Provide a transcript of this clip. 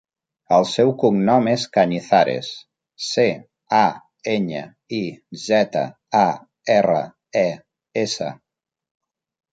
El seu cognom és Cañizares: ce, a, enya, i, zeta, a, erra, e, essa.